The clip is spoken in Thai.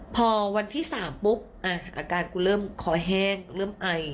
พอวันที่๓ปุ๊บอาการกูเริ่มคอแห้งเริ่มไอ